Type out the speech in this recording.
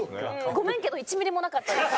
ごめんけど１ミリもなかったです。